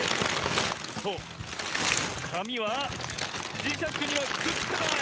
そうかみはじしゃくにはくっつかない！